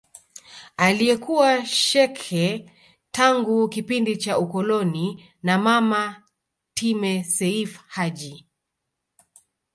Aliyekuwa shekhe tangu kipindi cha ukoloni na mama Time Seif Haji